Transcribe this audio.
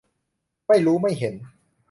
ไม่รู้ไม่เห็น